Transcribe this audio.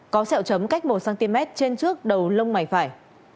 có sẹo chấm cách một cm trên trước đầu lông mày phải